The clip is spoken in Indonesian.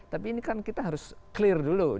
tapi ini kan kita harus clear dulu